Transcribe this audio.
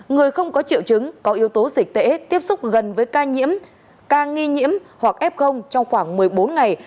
người không có triệu chứng có yếu tố dịch tễ tiếp xúc gần với ca nhiễm ca nghi nhiễm hoặc f trong khoảng một mươi bốn ngày